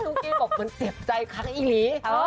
ธุรกี้บอกเหมือนเจ็บใจครับอี๋รี